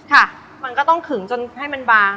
ค่ะมันก็ต้องขึงจนให้มันบาง